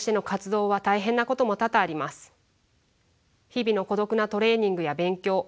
日々の孤独なトレーニングや勉強。